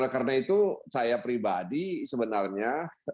karena itu saya pribadi sebenarnya